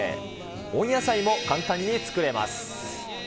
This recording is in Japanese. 温野菜も簡単に作れます。